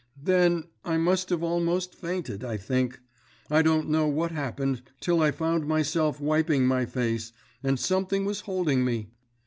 "Then, I must have almost fainted, I think; I don't know what happened till I found myself wiping my face, and something was holding me.